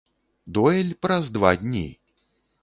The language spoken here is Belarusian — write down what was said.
Дуэль праз два дні!